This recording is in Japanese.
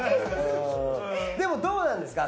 でもどうなんですか？